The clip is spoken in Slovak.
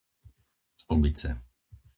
Obyce